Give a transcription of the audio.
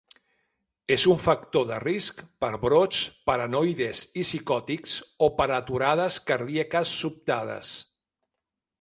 És un factor de risc per brots paranoides i psicòtics o per aturades cardíaques sobtades.